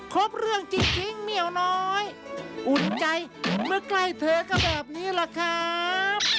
ครบเรื่องจริงเมียวน้อยอุ่นใจเมื่อใกล้เธอก็แบบนี้แหละครับ